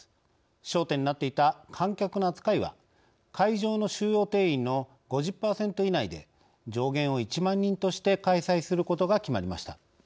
焦点になっていた観客の扱いは会場の収容定員の５０％以内で上限を１万人として開催することが決まりました。